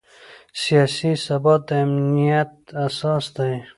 سیاسي ثبات د امنیت اساس دی